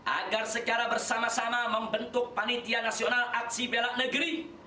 agar secara bersama sama membentuk panitia nasional aksi bela negeri